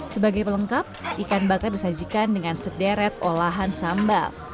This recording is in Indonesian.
sebagai pelengkap ikan bakar disajikan dengan sederet olahan sambal